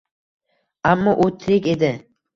Ammo u tirik edi!